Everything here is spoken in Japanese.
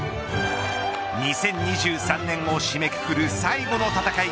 ２０２３年を締めくくる最後の戦い